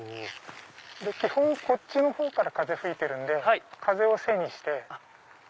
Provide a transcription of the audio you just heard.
基本こっちから風吹いてるんで風を背にして。